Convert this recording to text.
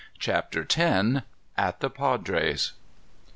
CHAPTER X. AT THE PADRE'S.